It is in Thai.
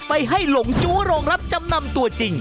ไปให้หลงจู้โรงรับจำนำตัวจริง